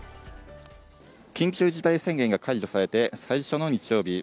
緊急事態宣言が解除されて最初の日曜日。